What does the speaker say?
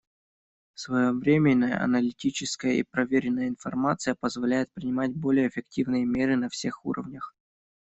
Своевременная, аналитическая и проверенная информация позволяет принимать более эффективные меры на всех уровнях.